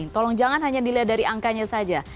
tolong jangan hanya dilihat dari angkanya saja